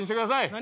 何？